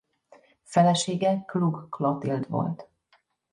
Felesége Klug Klotild volt.